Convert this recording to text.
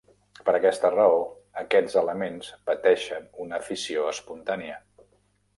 Per aquesta raó, aquests elements pateixen una fissió espontània.